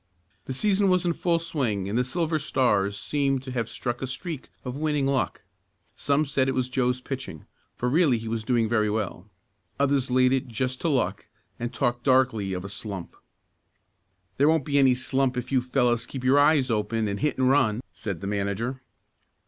The season was in full swing and the Silver Stars seemed to have struck a streak of winning luck. Some said it was Joe's pitching, for really he was doing very well. Others laid it just to luck and talked darkly of a "slump." "There won't be any slump if you fellows keep your eyes open, and hit and run," said the manager.